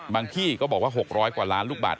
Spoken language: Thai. ที่ก็บอกว่า๖๐๐กว่าล้านลูกบาท